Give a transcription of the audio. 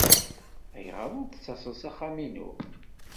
Ayɣer ur d-tettaseḍ s axxam-inu?